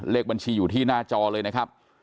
เลขบัญชีอยู่ที่หน้าจอเลยนะครับ